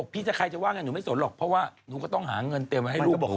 พี่ถ้าใครจะว่าไงหนูไม่สนหรอกเพราะว่าหนูก็ต้องหาเงินเตรียมไว้ให้ลูก